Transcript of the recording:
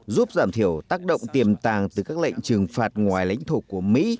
giúp giảm thiểu tác động tiềm tàng từ các lệnh trừng phạt ngoài lãnh thổ của mỹ